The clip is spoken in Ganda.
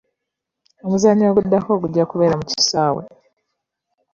Omuzannyo oguddako gujja kubeera mu kisaawe.